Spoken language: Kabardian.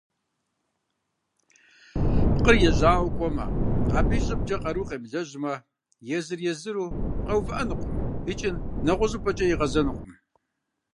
Пкъыр ежьауэ кӏуэмэ, абы и щӏыбкӏэ къару къемылэжьмэ, езыр-езыру къэувыӏэнукъым икӏи нэгъуэщӏыпӏэкӏэ игъэзэнукъым.